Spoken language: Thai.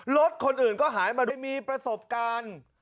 รถคนอื่นก็หายมาโดยมีประสบการณ์